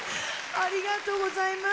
ありがとうございます。